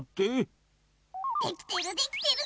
できてるできてる。